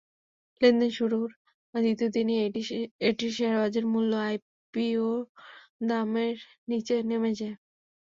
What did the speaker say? লেনদেন শুরুর দ্বিতীয় দিনেই এটির শেয়ারের বাজারমূল্য আইপিও দামের নিচে নেমে যায়।